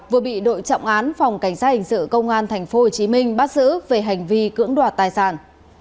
vừa bị đội trọng án phòng cảnh sát hình sự công an tp hcm bắt giữ về hành vi cưỡng đoạt tài sản